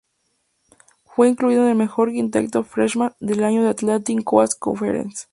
Fue incluido en el mejor quinteto "freshman" del año de la Atlantic Coast Conference.